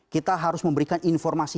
kita harus memberikan informasi